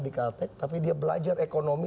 di kaltek tapi dia belajar ekonomi